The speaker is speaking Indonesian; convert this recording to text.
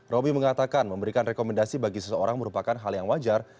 robby mengatakan memberikan rekomendasi bagi seseorang merupakan hal yang wajar